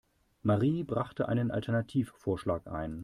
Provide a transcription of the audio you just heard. Marie brachte einen Alternativvorschlag ein.